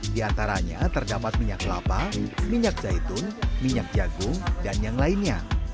di antaranya terdapat minyak kelapa minyak zaitun minyak jagung dan yang lainnya